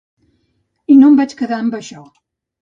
I no em vaig quedar amb això.